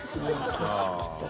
景色とか。